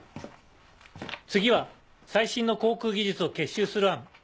次は最新の航空技術を結集する案。